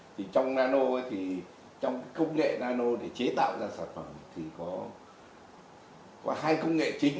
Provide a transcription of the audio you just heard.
trong công nghệ nano để chế tạo ra sản phẩm thì có hai công nghệ chính